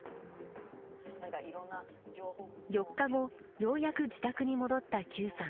４日後ようやく自宅に戻った邱さん。